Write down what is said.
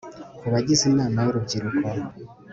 ku bagize inama y'urubyiruko